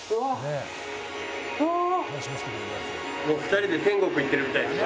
２人で天国行ってるみたいですね。